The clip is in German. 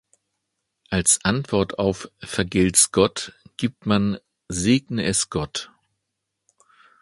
Als Antwort auf "Vergelt’s Gott" gibt man "Segne es Gott!